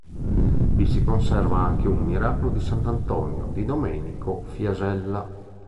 Vi si conserva anche un "Miracolo di sant'Antonio" di Domenico Fiasella.